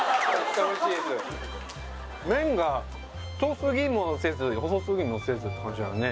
麺が太すぎもせず細すぎもせずって感じだよね